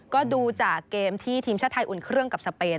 ก็ดูจากเกมที่ทีมชาติไทยอุ่นเครื่องกับสเปน